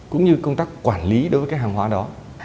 cũng như công tác quản lý đối với cái hàng hóa đó